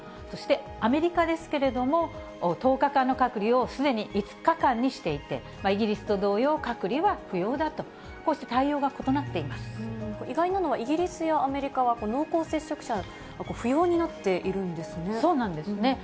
そしてアメリカですけれども、１０日間の隔離をすでに５日間にしていて、イギリスと同様、隔離は不要だと、意外なのは、イギリスやアメリカは濃厚接触者が不要になっているんですね。